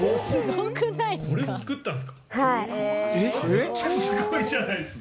めっちゃすごいじゃないですか。